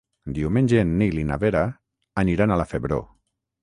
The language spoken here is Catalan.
Diumenge en Nil i na Vera aniran a la Febró.